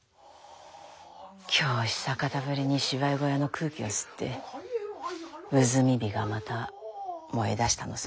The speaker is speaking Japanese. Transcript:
今日久方ぶりに芝居小屋の空気を吸って埋み火がまた燃えだしたのさ。